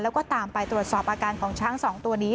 แล้วก็ตามไปตรวจสอบอาการของช้าง๒ตัวนี้